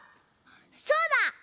そうだ！